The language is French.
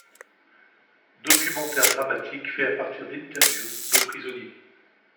Documentaires dramatiques faits à partir d'interviews de prisonniers.